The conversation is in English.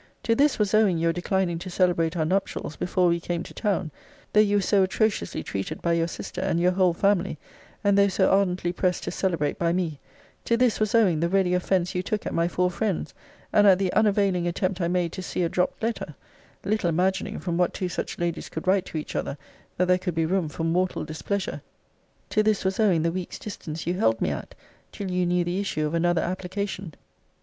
To this was owing your declining to celebrate our nuptials before we came to town, though you were so atrociously treated by your sister, and your whole family; and though so ardently pressed to celebrate by me to this was owing the ready offence you took at my four friends; and at the unavailing attempt I made to see a dropt letter; little imagining, from what two such ladies could write to each other, that there could be room for mortal displeasure to this was owing the week's distance you held me at, till you knew the issue of another application.